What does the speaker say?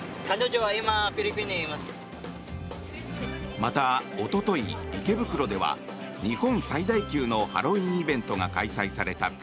また、おととい、池袋では日本最大級のハロウィーンイベントが開催された。